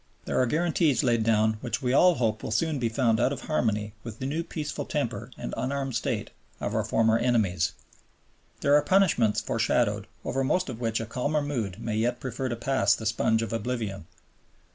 There are guarantees laid down which we all hope will soon be found out of harmony with the new peaceful temper and unarmed state of our former enemies. There are punishments foreshadowed over most of which a calmer mood may yet prefer to pass the sponge of oblivion.